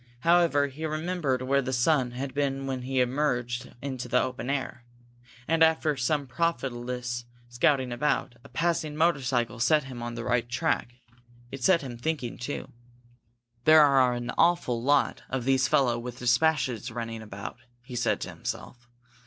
However, he remembered where the sun had been when he had emerged into the open air before, and, after some profitless scouting about, a passing motorcycle set him on the right track. It set him thinking, too. "There are an awful lot of these fellows with dispatches running about," he said to himself.